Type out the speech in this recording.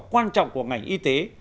quan trọng của ngành y tế